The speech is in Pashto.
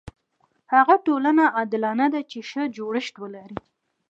هغه ټولنه عادلانه ده چې ښه جوړښت ولري.